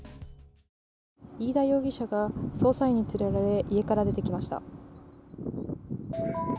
飯田容疑者が捜査員に連れられ、家から出てきました。